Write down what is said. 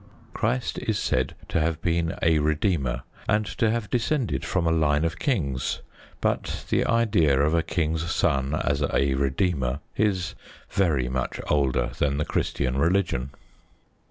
Christ is said to have been a redeemer, and to have descended from a line of kings. But the idea of a king's son as a redeemer is very much older than the Christian religion.